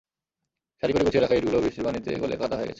সারি করে গুছিয়ে রাখা ইটগুলো বৃষ্টির পানিতে গলে কাদা হয়ে গেছে।